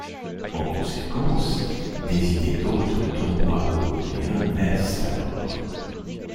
En conséquence, des idées d'autres tournois européens naissent alors.